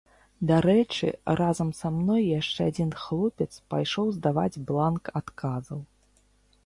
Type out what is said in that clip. Дарэчы, разам са мной яшчэ адзін хлопец пайшоў здаваць бланк адказаў.